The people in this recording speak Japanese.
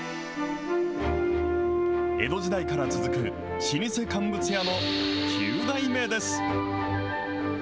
江戸時代から続く老舗乾物屋の９代目です。